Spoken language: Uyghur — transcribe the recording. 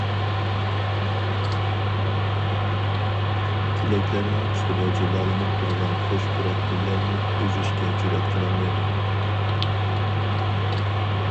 تىكەنلەرنىڭ ئۈستىدە جۇلالىنىپ تۇرغان خۇش پۇراق گۈللەرنى ئۈزۈشكە جۈرئەت قىلالمايدۇ.